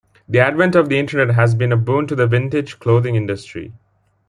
The advent of the internet has been a boon to the vintage clothing industry.